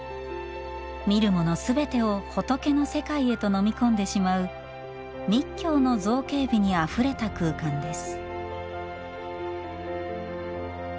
見る者すべてを仏の世界へと飲み込んでしまう密教の造形美にあふれた空間です。